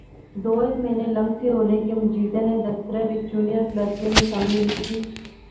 دو ہیک مہینے لنگتھے ہولے کہ مجیدے نے دفترے وچ جونیئر کلرکے نی سامی لکھتی